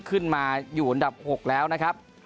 ขึ้นมาอยู่อันดับ๖แล้วนะครับ